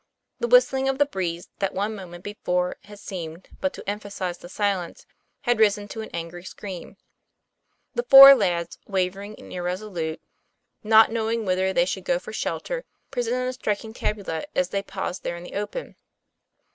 The whistling of the breeze that one moment before had seemed but to emphasize the silence, had risen to an angry scream. The four lads, wavering and irresolute, not know 104 TOM PLAYFAIR. ing whither they should go for shelter, presented a striking tableau as they paused there in the open.